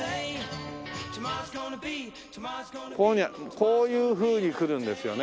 こういうふうに来るんですよね